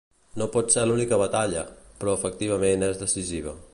No pot ser l’única batalla, però efectivament és decisiva.